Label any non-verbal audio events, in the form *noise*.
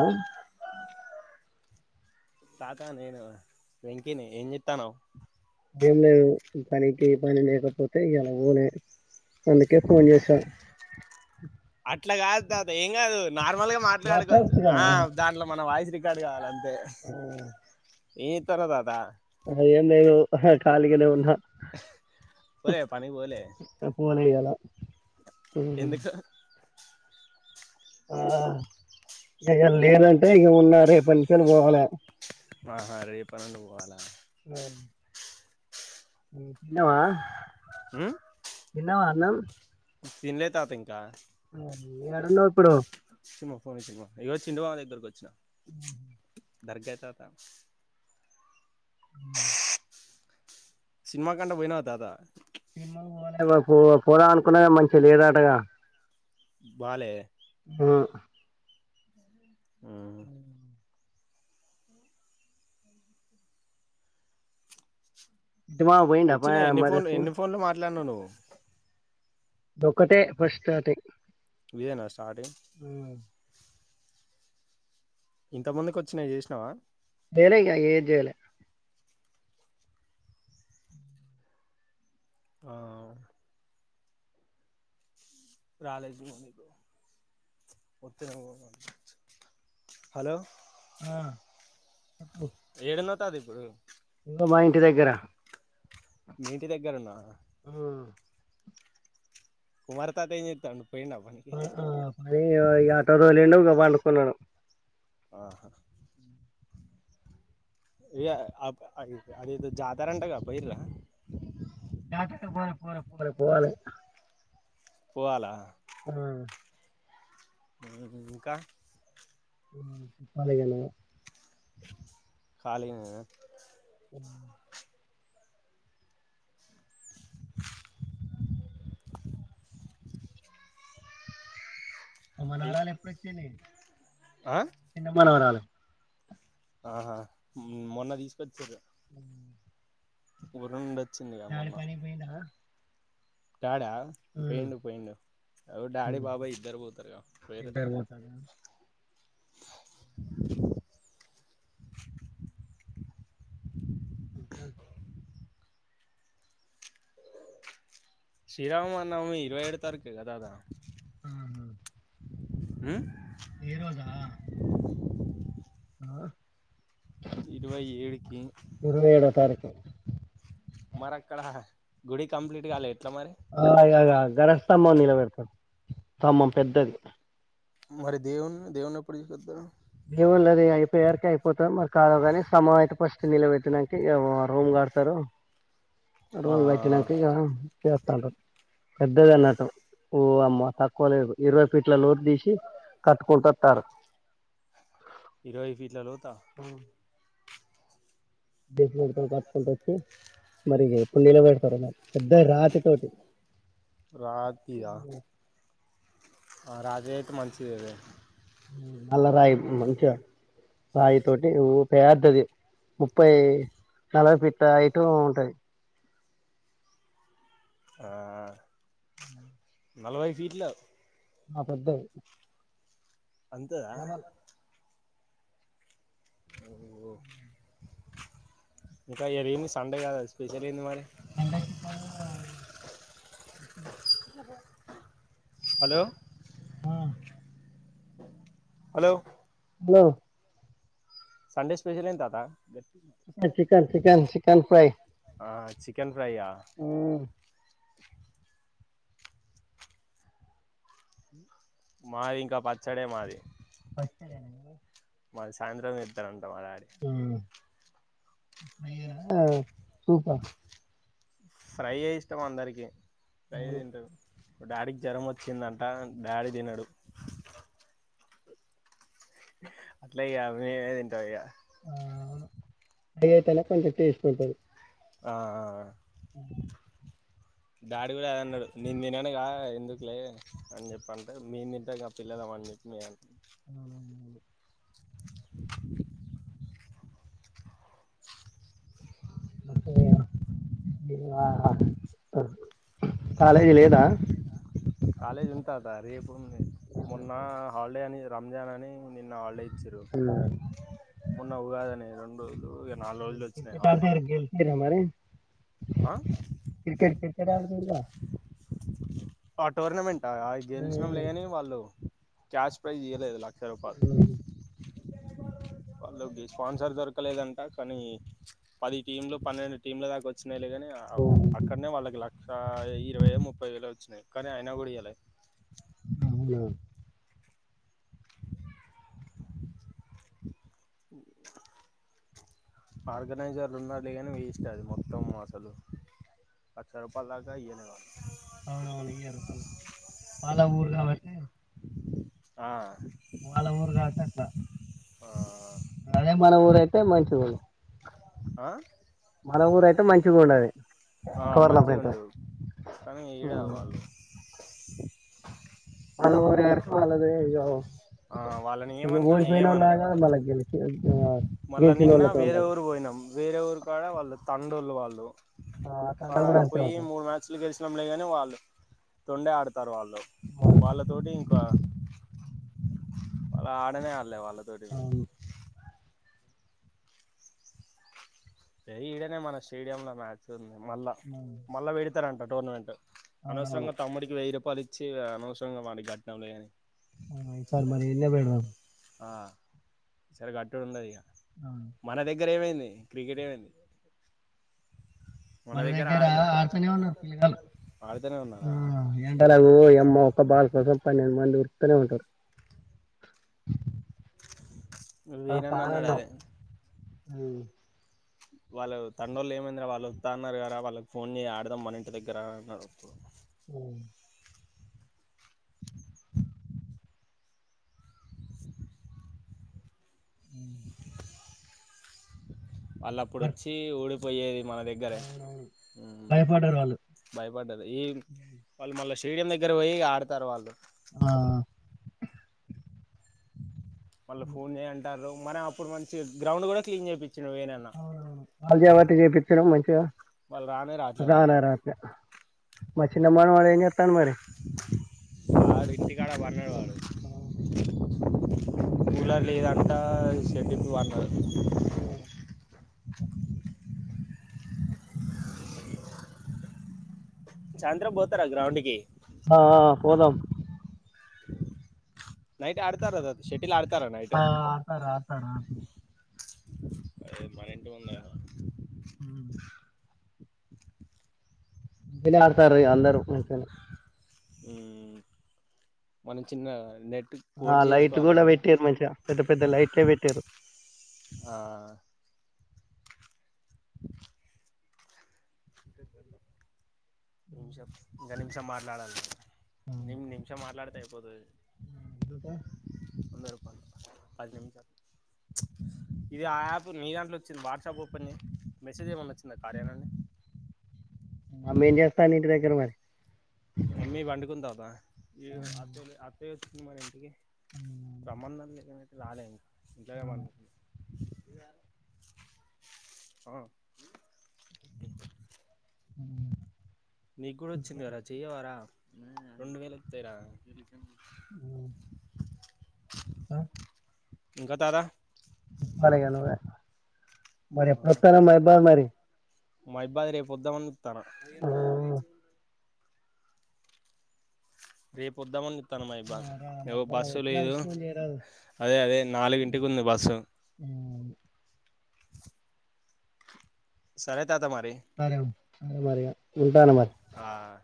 అ కాకా నేను వెంకిని ఏం చెతనవు ఏం లేదు పనికి పని లేకపోతే ఇలా ఊనే అందుకే ఫోన్ చేసా అట్లా కాదు తాత ఏం కాదు నార్మల్ గా మాట్లాడుకోవచ్చు మాట్లాడచ్చుగా ఆ దాంట్లో మన వాయిసు రికార్డ్ కాదు అంతే ఏం చేతనవ్ తాత అ ఏం లేదు కాలిగానే ఉన్నా పోలే పనికి పోలే ఆ ఎందుకు ఆ ఇయల లేదంటే ఇక ఉన్న రేపు నుంచి పోవాలి ఆహా రేపునంగ పోవాలా అ తిన్నావ తిన్నావా అన్నం తిన్లే తాత ఇన్ ఆ న యాడున్నవు ఇప్పుడు ఫోమా ఇగో చందు బావ దగ్గరకి వచ్చిన ఉ కరికాయి తాత ఉ సినిమా కంట పోయినవ తాత పో పో పోద అనుకున్నా మంచిగా లేదటగా బాలే ఆ ఉమ్, అ ఇటు మామ పోయిండా ప వచ్చిన ఎన్ని మరి ఫోన్లు సీన్ ఎన్ని ఫోన్లు మాట్లాడినవ్ నువ్వు దొక్కటే ఫస్ట్ స్టాటింగ్ ఇదేనా స్టాటిన్గ్ ఇంత ముందుకు వచ్చినయి జేసినవా జేయలే ఇగ ఏది జేయలే ఆ రాలేజు మొ మీకు హలో ఆ ఏడున్నవ్ తాత ఇప్పుడు ఇగో మా ఇంటి దగ్గర మీంటి దగ్గరున్నవా ఆ కుమార్ తాత ఎం జేత్తండు పని ఈ ఆటో తొలిండు ఇగ పండుకున్నడు ఆహా ఇయ అబ్ అది ఇఅదేందో జాతర అంటగా పోయిర్రా జాతర పోలే పోలే పోల పోవాలే పోవాలా ఆ ఇంకా చెప్పాలే ఇగ నువ్వే కాళీగ నేన హలో మనోరాలు ఎప్పుడచ్చింది ఆ చిన్న మనవరాలు ఆహా మొన్న తీసుకొచ్చిర్రు అ కూరండ డాడీ పని పోయిన్ద డాడా పొయిండు పోయిండు అగో డాడీ హ్మ్ బాబాయి ఇద్దరు పోతారుగా పోయిర్రు ఇద్దరు పోతారా ఇంకా శ్రీరామా నవమి ఇరవై ఏడు తారఖేగా తాత ఆహా ఉ ఏ రోజా ఆ ఇరవై ఏడుకి ఇరవై ఏడో తారీఖు మరక్కడ గుడి కంప్లీట్ గాలేద్ అ ఇగ ఇగ గనెస్థంభం నిలబెడతరు స్తంభం పెద్దది మరి దేవున్ దేవున్నీ ఎప్పుడూ తీసుకొత్తరు దేవుళ్లది అయిపోయవరికి అయిపోతా మారి కాద కాని స్తంభం అయితే ఫస్ట్ నిలబెట్డానికి రూమ్ లా కడతరు ఆ రూమ్ కట్టినాక ఇగా చెత్తంటరు పెద్దది అన్నట్టు ఓ అమ్మ తక్కువ లేదు ఇరవై ఫీట్ల లోతు దీసి కట్టుకుంట అత్తర్రు ఇరవై ఫీట్లలోత పెడతారు పట్కుంట వచ్చి మరిగాప్పుడు నీలో పెడతారు మకు రాతిర ఆ రాజయ్య అయితే మంచిదే లె వాయి తోటి ఊ పేద్దది ముప్పై నలభై పీట్ల హైట్ ఉంటది ఆ నలభై ఫీట్లా ఆ పెద్దది అంతదా డబల్ ఓహో ఇంకా ఏరెమి సండే కాద స్పెషల్ ఏంది మరిీ సండే చికెన్ ఉ ఉప్మా హలో ఆ హలో హలో సండే స్పెషల్ ఎంది తాత chicken chicken chicken chicken fry ఆ చికెన్ ఫ్రైయా మాది ఇంకా పచ్చడే మాది పచ్చడ మీది మాది సాయంత్రం తేతరంట మా డాడీ ఫ్రై యా సూప ఫ్రై ఏ ఇష్టం అందరికి ఫ్రై ఏ అవును తింటరు మా డాడీకి జ్వరం వచ్చిందంట డాడీ తినడు అట్ల అయ్యా మేమే తింటాం ఇగ ఆ ఫ్రై అయితేనే కొంచెం టేస్ట్ ఉంటది ఆ ఆ ఉ డాడీ కూడా అదే అన్నాడు నేను తిినను కా ఎందుకులే అని చెప్ప అంటే మేం తింటాం గా పిల్లలం పండిత్ మే ఆ డి *unintelligible* కాలేజీ లేదా కాలేజ్ ఉంది తాత రేపుంది మొన్న హాలిడే అని రంజాన్ అని నిన్న హాళ్డే ఇచ్చిర్రు ఆ, మొన్న ఉగాదని రెండ్రోజులు ఉమ్ క్రికెట్ ఆడితే గెలిచి రా మరి ఆ క్రికెట్ క్రికెట్ ఆడుతరుగ ఆ టోర్నమెంట్ అ గెలిచినంలే ఉమ్, గాని వాళ్ళు క్యాష్ ప్రైజ్ ఇయలేదు లక్ క్షరూపాల్ ఉమ్, వాళ్ళకి స్పాన్సర్ దొరకలేదంట కానీ పది టీంలు పన్నెండు టీంల దాకా వో మేలే గాని అవ్ ఉమ్. అక్కన్నే వాళ్ళకి లక్ హా ఇరవై యో ముప్పై వేలో వచ్చినాయి కానీ అయినా కూడా ఇయ్యాలే అవునా ఆర్గనైజర్లు ఉన్నాలే కానీ వెస్ట్ అది మొత్తము అసలు లక్ష రూపాల్ధక ఇయ్యలే వాల్ అవునవునియ్యరు వాల ఊరు కాబట్టి ఆ వాళ్ళ ఊరు కాబట్టి అదే మన ఊరయితే మంచిగున్ ఆ మన ఊరు అయితే మంచిగుండది ఆ మంచిగుండు *unintelligible* కానీ ఈడే వాళ్లు *unintelligible* ఆ వాళ్ళని ఇగ ఏమంటాం ఏమనం ఓడిపోయినోళ్లాగా మల్ల గెలిచే మళ్ళా నిన్న వేరే ఊరు పోయినాం వేరే ఊరు కాడ వాళ్ళు తండొల్లు వాళ్ళు ఆ అట్లా కూడా అంతే పోయి ఉంటది మూడు మ్యాచ్లు గెలిచినాం లే గాని వాళ్ళు తొండే ఆడ తరు వాళ్ళు వాళ్ళతోటి ఇంకా ఆడనే ఆడలే వాళ్ళు *inaudible* అవును ఎ ఈడనే మన స్టేడియం లో మ్యాచ్ ఉంది మళ్ళా. అవును మళ్ళా పెడతారంట టోర్నమెంట్. అవునవును అనవసరంగా తమ్ముడికి వెయ్యి రూపాయలు ఇచ్చి అనవసరంగా వాడికి కట్నం లే ఆ సర్ మరి *unintelligible* ఆ సరే కట్టుడు ఉండదు ఇక ఆ, మన దగ్గర ఏమైంది క్రికెట్ ఏమైంది మన దగ్గర ఆడుత ఆడుతూనే ఉన్నారు పిల్లగాలు ఆడుతనే ఉన్నారా ఎండలకు ఎమ్మ ఆ ఒక్క బాలు కోసం పన్నెండు మంది ఉరుకుతూనే ఉంటారు మీరన్న అన్నాడు అదే మ్మ్ వాళ్ళ తండోళ్ళు ఏమైందిరా వాళ్ళు వత్త అన్నారు కదా వాళ్ళకి ఫోన్ జయ్ ఆడదాం మన ఇంటి దగ్గర అన్నారు మ్మ్ మ్మ్ మరి వాళ్ళప్పుడొచ్చి ఓడిపోయేది మా దగ్గర అవునవును భయపడ్డారు వాళ్ళు భయపడ్డది ఈ వాళ్ళు మళ్ళా స్టేడియం దగ్గర పోయి ఆడుతారు వాళ్ళు ఆ మళ్ళ ఫోన్ చేయ్య అంటారు మనం అప్పుడు మంచి గ్రౌండ్ కూడా క్లీన్ చేపి *unintelligible* చేపిత్తారు మంచిగా వాళ్ళు రానే రాట్లే వాళ్ళు రానా రాత్రి మా చిన్న మనవడు ఎంజేత్తడు మరీ టికాడ పన్నాడు వాడు కూలర్ లేదంటా సెటికు వన్నాడు చాంద్ర పోతారా గ్రౌండ్ కి ఆ పోదాం నైట్ ఆడతావ్ కదోచ్చి ఇలా ఆడుతారా నైటు ఆ, ఆడతారు ఆడతారు ఆడతారు అ మన ఇంటి ఉంద ఉమ్. పిల్లలు ఆడతారు ఏముంది *inaudible* మనం చిన్న నెట్ ఆ కోట్ లైట్ చేసుకోవాలి కూడా పెట్టారు మంచిగా పెద్ద పెద్ద లైట్లే పెట్టారు ఆ ఒక నిమిషం మాట్లాడాలి ఆ, నిమ్ నిమిషం మాట్లాడితే *inaudible* మ్మ్ అంద రపా అదిమి చ ఇది ఆ యాప్ మీ దాంట్లో వచ్చింది వాట్సాప్ ఓపెన్ చే మెసేజ్ చేయమ *inaudible* మేం చెప్తా మీ ఇంటి దగ్గర మరి ఇమ్మి పండుకుందా అబ్బ *unintelligible* అ నీకు కూడా వచ్చింది గదరా చెయ్యవారా రెండు వేలు వస్తయరా ఉ అ ఇంకా తారా చెప్పాలి ఇగ న్వ్ మరిఎప్పుడో స్తున్నవ్ మహిపాల్ మరి మహిపాల్ రేపుొద్దామని చూస్తున్నాడు రేపుొద్దామని ఒస్తనా రా ఏవో మహిబాద్ బస్సు లేదు వచ్చినప్పుడు ఫోన్ చేయరాదు అదే అదే నాలుగుంటికి ఉంది బస్సు ఉ సరే తాత మరి సరే సరే మరి ఇగా ఉంటాను మరి ఆ